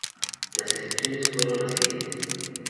Las excepciones fueron las siguientes.